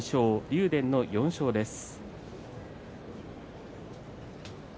竜電の４勝です。